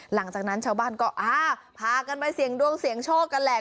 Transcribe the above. หลังจากนั้นชาวบ้านก็อ่าพากันไปเสี่ยงดวงเสี่ยงโชคกันแหละ